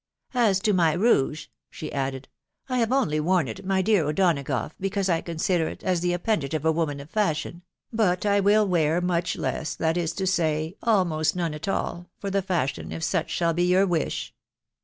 " As to my rouge,1* she added, " I have only worn it, my dear O'Donagough, be* cause I consider 'it as the appendage of a woman of fssbJoe .... but I will wear much less, that is to say, almost none at all, for the fashion, if such shall be your wish."